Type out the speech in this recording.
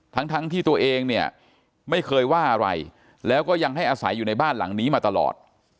ทั้งทั้งที่ตัวเองเนี่ยไม่เคยว่าอะไรแล้วก็ยังให้อาศัยอยู่ในบ้านหลังนี้มาตลอด